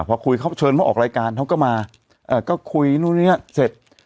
พอคุยเขาเชิญเพราะออกรายการเขาก็มาอ่าก็คุยนู่นนี่นั่นเสร็จ